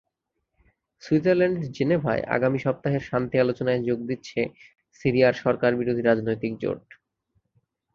সুইজারল্যান্ডের জেনেভায় আগামী সপ্তাহের শান্তি আলোচনায় যোগ দিচ্ছে সিরিয়ার সরকারবিরোধী রাজনৈতিক জোট।